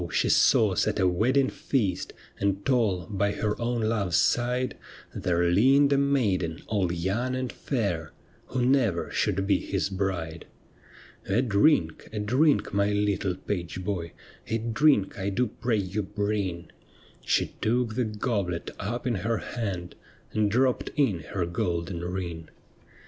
she saw set a wedding feast, And tall by her own love's side There leaned a maiden all young and fair Who never should be his bride. ' A drink, a drink, my little page boy, A drink 1 do pray you bring '; She took the goblet up in her hand And dropped in her golden ring.